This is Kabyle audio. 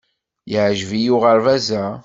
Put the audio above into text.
Yeɛjeb-iyi uɣerbaz-a.